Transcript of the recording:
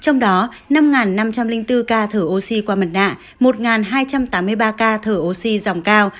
trong đó năm năm trăm linh bốn ca thở oxy qua mặt nạ một hai trăm tám mươi ba ca thở oxy dòng cao